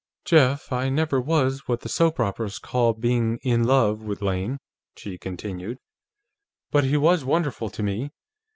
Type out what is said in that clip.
"Jeff, I never was what the soap operas call being 'in love' with Lane," she continued. "But he was wonderful to me.